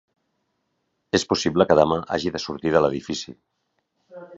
És possible que demà hagi de sortir de l'edifici.